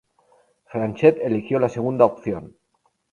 Franchet eligió la segunda opción.